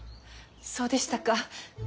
そうでしたか。